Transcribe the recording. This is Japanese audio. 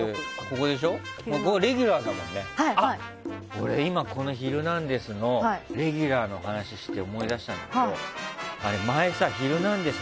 俺、今この「ヒルナンデス！」のレギュラーの話して思い出したんだけど前さ、「ヒルナンデス！」